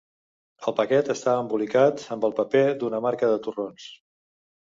El paquet estava embolicat amb el paper d’una marca de torrons.